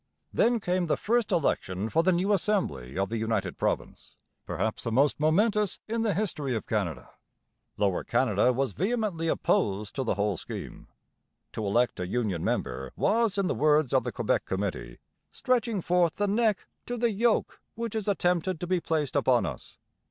Then came the first election for the new Assembly of the united province, perhaps the most momentous in the history of Canada. Lower Canada was vehemently opposed to the whole scheme. To elect a Union member was, in the words of the Quebec Committee, 'stretching forth the neck to the yoke which is attempted to be placed upon us.'